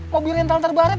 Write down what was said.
mobil yang telan terbarat